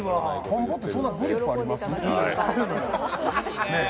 こん棒ってそんなグリップあります？